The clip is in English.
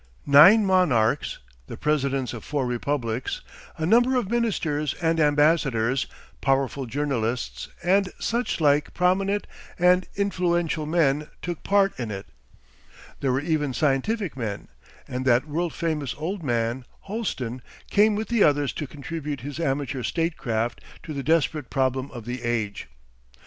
Nine monarchs, the presidents of four republics, a number of ministers and ambassadors, powerful journalists, and such like prominent and influential men, took part in it. There were even scientific men; and that world famous old man, Holsten, came with the others to contribute his amateur statecraft to the desperate problem of the age.